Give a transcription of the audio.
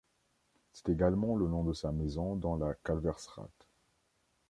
C'était également le nom de sa maison dans la Kalverstraat.